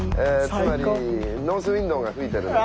つまりノース・ウインドが吹いてるので。